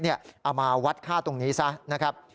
เอามาวัดค่าตรงนี้ซะนะครับ